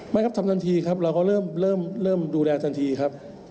ครับทำทันทีครับเราก็เริ่มดูแลทันทีครับ